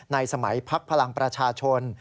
สมัยพักพลังประชาชน